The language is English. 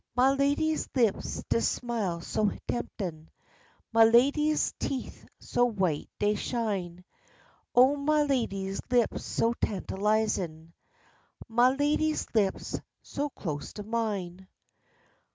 Ma lady's lips dey smile so temptin', Ma lady's teeth so white dey shine, Oh, ma lady's lips so tantalizin', Ma lady's lips so close to mine.